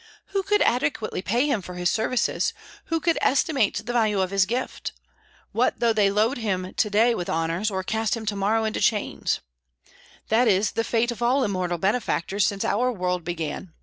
Who could adequately pay him for his services; who could estimate the value of his gift? What though they load him to day with honors, or cast him tomorrow into chains? that is the fate of all immortal benefactors since our world began.